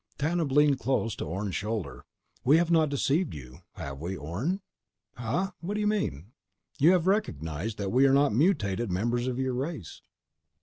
Tanub leaned close to Orne's shoulder. "We have not deceived you, have we, Orne?" "Huh? What do you mean?" "You have recognized that we are not mutated members of your race."